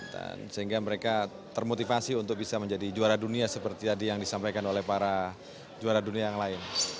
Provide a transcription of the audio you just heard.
dan sehingga mereka termotivasi untuk bisa menjadi juara dunia seperti tadi yang disampaikan oleh para juara dunia yang lain